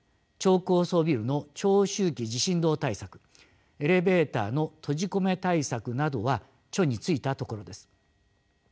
超高層ビルの長周期地震動対策エレベーターの閉じ込め対策などは緒に就いたところです。